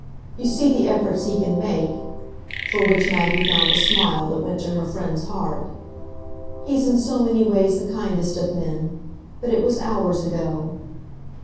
You see the efforts he can make" for which Maggie found a smile that went to her friend's heart. "He's in so many ways the kindest of men. But it was hours ago."